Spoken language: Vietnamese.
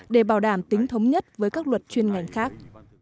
để bảo đảm tính thống nhất với các luật chuyên ngành khác